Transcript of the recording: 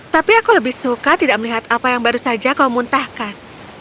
tapi aku lebih suka tidak melihat apa yang baru saja kau muntahkan